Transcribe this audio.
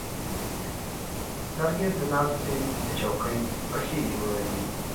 لرګی د ناستې د چوکۍ پښې جوړوي.